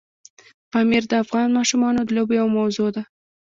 پامیر د افغان ماشومانو د لوبو یوه موضوع ده.